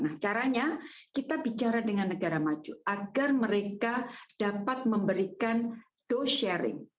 nah caranya kita bicara dengan negara maju agar mereka dapat memberikan dose sharing